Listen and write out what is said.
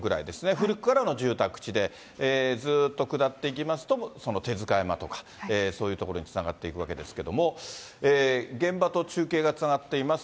古くからの住宅地で、ずっと下っていきますと、その帝塚山とかそういう所につながっていくわけですけれども、現場と中継がつながっています。